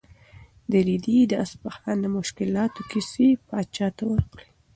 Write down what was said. رېدي د اصفهان د مشکلاتو کیسې پاچا ته وکړې.